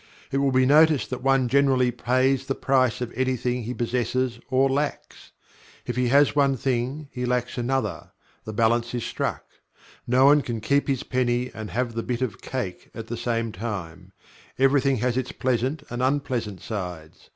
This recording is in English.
It will be noticed that one generally "pays the price" of anything he possesses or lacks. If he has one thing, he lacks another the balance is struck. No one can "keep his penny and have the bit of cake" at the same time Everything has its pleasant and unpleasant sides.